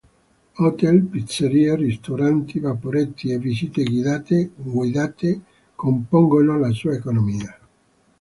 Hotel, pizzerie, ristoranti, vaporetti e visite guidate compongono la sua economia.